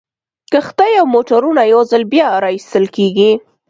کښتۍ او موټرونه یو ځل بیا را ایستل کیږي